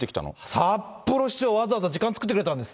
札幌市長、わざわざ時間作ってくれたんです。